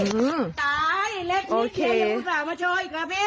ตายเล็กนิดเดียวอย่าคุณสามารถช่วยอีกครับพี่